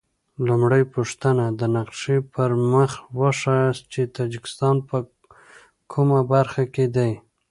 لومړۍ پوښتنه: د نقشې پر مخ وښایاست چې تاجکستان په کومه برخه کې دی؟